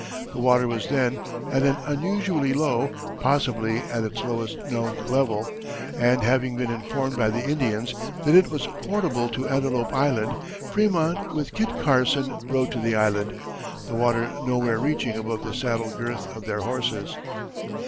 The water was then at an unusually low possibly at its lowest known level, and having been informed by the Indians that it was fordable to Antelope Island, Frémont with Kit Carson rode to the island, the water nowhere reaching above the saddle girths of their horses.